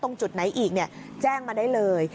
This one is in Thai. ตรงจุดไหนอีกแจ้งมาได้เลย